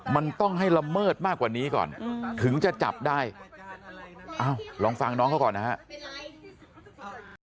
มันต้องให้ละเมิดมากกว่านี้ก่อนถึงจะจับได้ลองฟังน้องเขาก่อนนะครับ